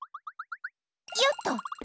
よっと！